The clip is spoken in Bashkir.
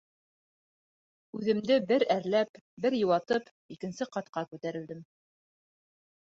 Үҙемде бер әрләп, бер йыуатып, икенсе ҡатҡа күтәрелдем.